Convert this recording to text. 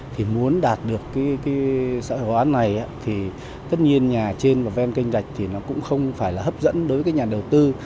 thì muốn đạt được cái xã hội hóa này thì tất nhiên nhà trên và ven kênh rạch thì nó cũng không phải là hấp dẫn đối với nhà đầu tư